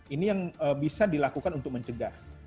ini yang bisa dilakukan untuk mencegah